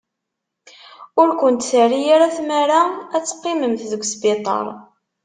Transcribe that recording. Ur kent-terri ara tmara ad teqqimemt deg sbiṭar.